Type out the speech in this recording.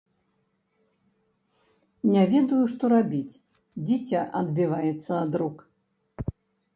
Не ведаю, што рабіць, дзіця адбіваецца ад рук!